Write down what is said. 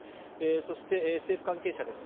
そして政府関係者です。